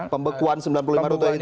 pembekuan sembilan puluh lima tahun itu